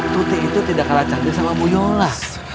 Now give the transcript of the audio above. tuti itu tidak kalah candi sama bu yola